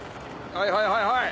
はいはいはいはい。